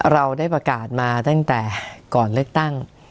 เราได้ประกาศมาตั้งแต่ก่อนเลือกตั้ง